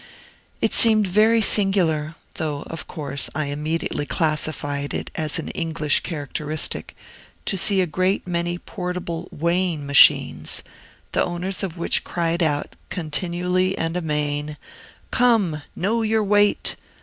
It seemed very singular though, of course, I immediately classified it as an English characteristic to see a great many portable weighing machines, the owners of which cried out, continually and amain, "Come, know your weight!